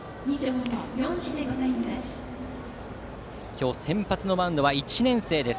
今日、先発のマウンドは１年生です。